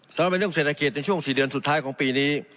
สำหรับเป็นเรื่องเศรษฐกิจในช่วง๔เดือนสุดท้ายของปีนี้